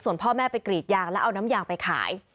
ส่วนพ่อแม่ไปกรีดยางแล้วเอาน้ำยางไปขาย